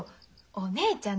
お姉ちゃんだよ。